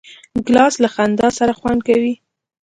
ګیلاس له خندا سره خوند کوي.